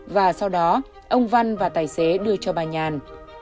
và sau đó ông văn và tài xế đưa cho bà nhàn